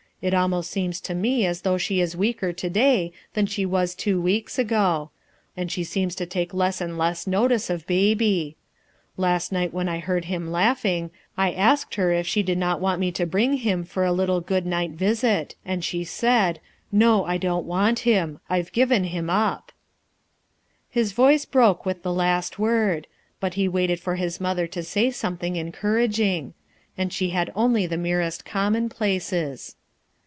It almost seems to me as though she is weaker to day than she was two weeks ago; and she seems to take less and less notice of Baby. Last night when I heard him laughing, I asked her if she did not want me to bring him for a little good night visit, and she said: 'No, I don't want him. I've given him up l 1 " His voice broke with the last word, but ho waited for his mother to say something encour aging; and she had only the merest common places.